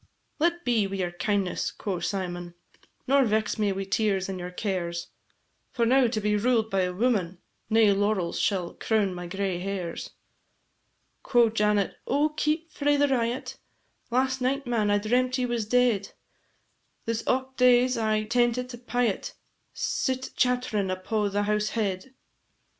"Let be wi' your kindness," quo' Symon, "Nor vex me wi' tears and your cares, For now to be ruled by a woman, Nae laurels shall crown my gray hairs." Quo' Janet, "Oh, keep frae the riot! Last night, man, I dreamt ye was dead; This aught days I tentit a pyot Sit chatt'rin' upo' the house head.